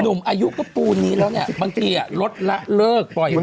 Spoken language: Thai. หนุ่มอายุก็ปูนนี้แล้วเนี่ยบางทีลดละเลิกปล่อย